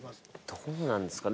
どうなんですかね？